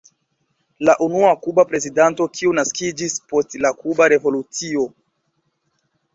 La unua kuba prezidanto kiu naskiĝis post la kuba revolucio.